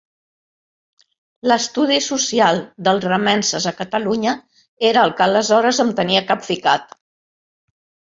L'Estudi social dels remenses a Catalunya era el que aleshores em tenia capficat